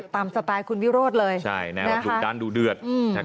ตามสไตล์คุณวิโรธเลยใช่ดูด้านดูเดือด